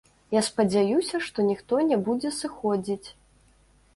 Я спадзяюся, што ніхто не будзе сыходзіць.